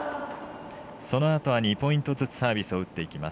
そのあとは２ポイントずつサービスを打っていきます。